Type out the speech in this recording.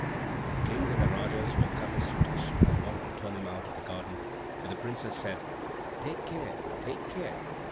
and the Kings and the Rajas, who had come as suitors, all wanted to turn him out of the garden. But the princess said, "Take care! take care!